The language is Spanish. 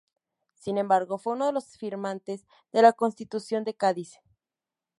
Sin embargo, fue uno de los firmantes de la Constitución de Cádiz.